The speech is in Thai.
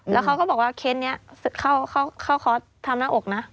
แล้วเขาก็บอกว่าเคสนี้เขาขอทำหน้าอกนะ